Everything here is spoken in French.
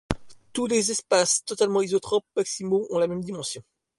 Tous les sous-espaces totalement isotropes maximaux ont même dimension.